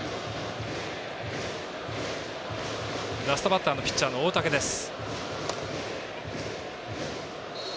ラストバッターのピッチャーの大竹です。